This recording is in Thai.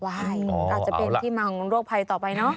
อาจจะเป็นที่มาของโรคภัยต่อไปเนอะ